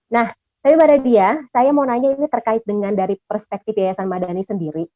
nah tapi mbak nadia saya mau nanya ini terkait dengan dari perspektif yayasan madani sendiri